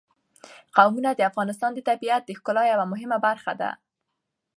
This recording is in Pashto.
قومونه د افغانستان د طبیعت د ښکلا یوه مهمه برخه ده.